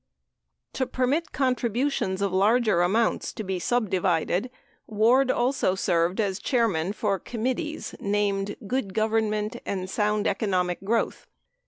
To permit contributions of larger amounts to be subdivided, Ward also served as chairman for committees named "Good Government" and "Sound Economic Growth."